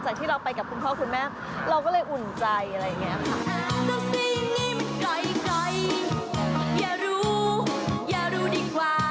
ที่เราไปกับคุณพ่อคุณแม่เราก็เลยอุ่นใจอะไรอย่างนี้ค่ะ